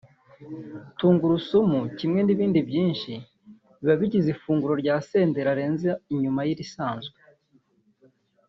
tungurusumu kimwe n'ibindi byinshi biba bigize ifunguro rya Senderi arenza inyuma y'irisanzwe